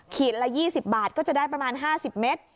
ละ๒๐บาทก็จะได้ประมาณ๕๐เมตร